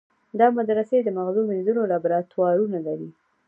دا مدرسې د مغزو مینځلو لابراتوارونه لري.